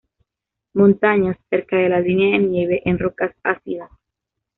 Montañas, cerca de la línea de nieve, en rocas ácidas.